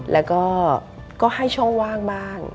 แล้วก็ให้ช่องว่างบ้าง